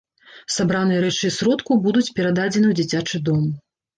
Сабраныя рэчы і сродку будуць перададзены ў дзіцячы дом.